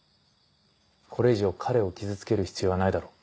これ以上彼を傷つける必要はないだろう。